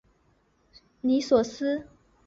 尼索斯。